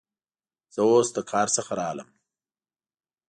زه اوس له کار څخه راغلم.